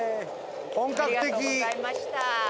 本格的！